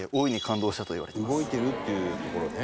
「動いてるっていうところね」